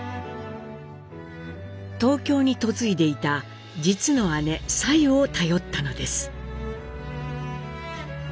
東京に嫁いでいた実の姉サユを頼ったのです。